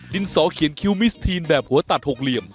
สอเขียนคิวมิสทีนแบบหัวตัดหกเหลี่ยม